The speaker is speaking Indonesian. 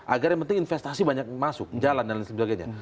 agar yang penting investasi banyak masuk jalan dan lain sebagainya